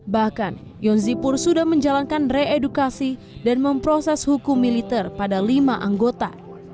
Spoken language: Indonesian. bahkan yonzipur sudah menjalankan reedukasi dan memproses hukum militer pada lima anggota